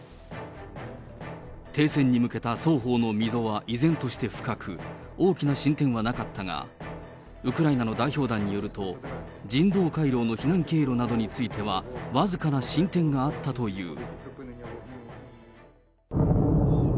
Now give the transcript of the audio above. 停戦に向けた双方の溝は依然として深く、大きな進展はなかったが、ウクライナの代表団によると、人道回廊の避難経路などについては、僅かな進展があったという。